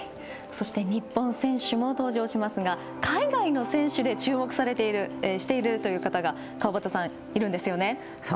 そして、日本選手も登場しますが海外の選手で注目しているという方が川端さん、いるんですよね。